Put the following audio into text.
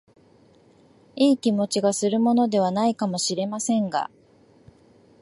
いい気持ちがするものでは無いかも知れませんが、